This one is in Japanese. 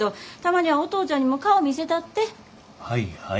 はいはい。